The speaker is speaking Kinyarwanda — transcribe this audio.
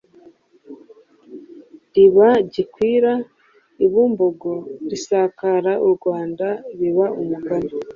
riba gikwira i Bumbogo risakara u Rwanda riba umugani.